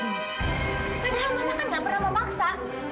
padahal mama kan nggak pernah memaksa